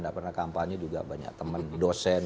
tidak pernah kampanye juga banyak teman dosen